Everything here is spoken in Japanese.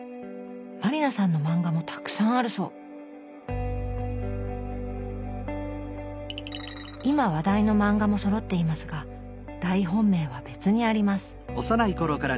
満里奈さんの漫画もたくさんあるそう今話題の漫画もそろっていますが大本命は別にあります